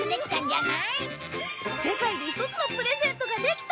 世界で一つのプレゼントができた！